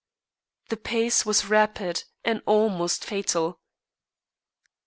The pace was rapid and almost fatal.